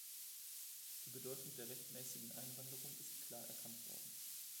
Die Bedeutung der rechtmäßigen Einwanderung ist klar erkannt worden.